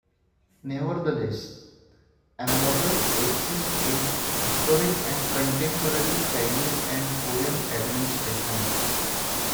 Nevertheless, analogues exist in historic and contemporary Chinese and Korean administration.